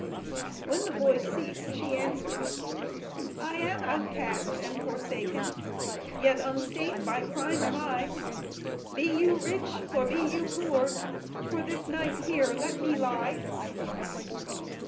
When the voice ceased, she answered: "I am outcast and forsaken; Yet unstained by crime am I: Be you rich, or be you poor; For this night here let me lie!"